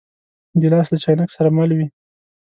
ګیلاس له چاینک سره مل وي.